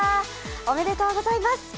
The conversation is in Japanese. おめでとうございます。